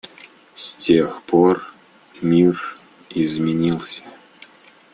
С тех пор мир изменился.